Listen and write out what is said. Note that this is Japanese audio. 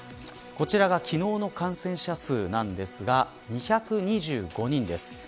こちらが昨日の感染者数なんですが２２５人です。